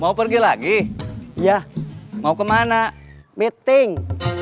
mau pergi lagi ya mau kemana meeting